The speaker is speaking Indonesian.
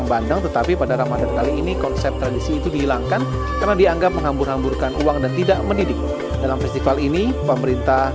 bagaimana keseruannya berikut diputarnya